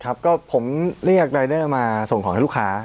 ครับก็ผมเรียกรายเดอร์มาส่งของให้ลูกค้า